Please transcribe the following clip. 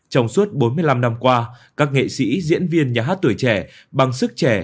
trong suốt bốn mươi năm năm qua các nghệ sĩ diễn viên nhà hát tuổi trẻ bằng sức trẻ